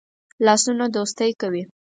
لاسونه دوستی کوي